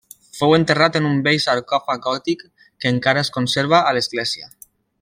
Fou enterrat en un bell sarcòfag gòtic que encara es conserva a l'església.